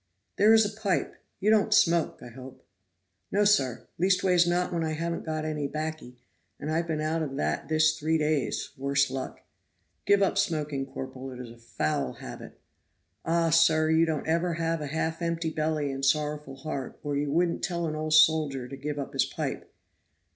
"There is a pipe you don't smoke, I hope?" "No, sir; leastways not when I han't got any baccy, and I've been out of that this three days worse luck." "Give up smoking, corporal, it is a foul habit." "Ah, sir! you don't ever have a half empty belly and a sorrowful heart, or you wouldn't tell an old soldier to give up his pipe."